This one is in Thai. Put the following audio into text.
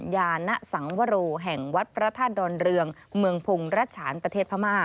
ยานะสังวโรแห่งวัดพระธาตุดอนเรืองเมืองพงศ์รัชฉานประเทศพม่า